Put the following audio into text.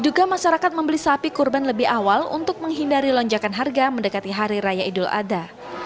juga masyarakat membeli sapi kurban lebih awal untuk menghindari lonjakan harga mendekati hari raya idul adha